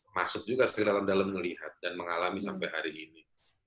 masuk juga dalam melihat dan mengalami sampai hari ini